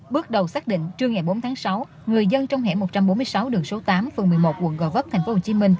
bước đầu xác định trưa ngày bốn tháng sáu người dân trong hẻm một trăm bốn mươi sáu đường số tám phường một mươi một quận gò vấp tp hcm